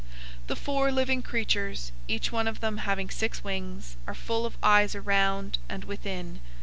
004:008 The four living creatures, each one of them having six wings, are full of eyes around about and within.